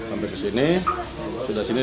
saat membongkar pintu kamar korban